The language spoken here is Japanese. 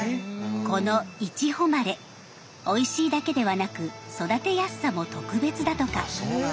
このいちほまれおいしいだけではなく育てやすさも特別だとか。